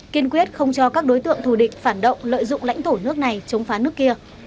kiên quyết không cho các đối tượng thù địch phản động lợi dụng lãnh thổ nước này chống phá nước kia